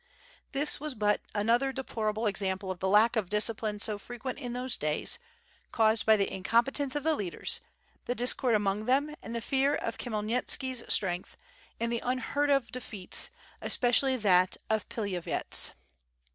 This was but another deplorable example of the lack of discipline so frequent in those days, caused by the incompetence of the leaders, the discord among them, and the fear of Khmyelnitski's strength, and the unheard of de feats, especially that of Pilavyets.